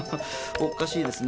おかしいですね。